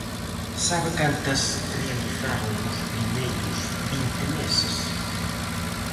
¿Sabe cantas realizaron nos primeiros vinte meses?